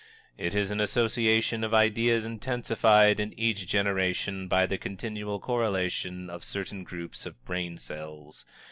It is an association of ideas intensified in each generation by the continual correlation of certain groups of brain cells.